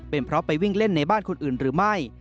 เป็นเพราะไปวิ่งเล่นในบ้านคนอื่นหรือไม่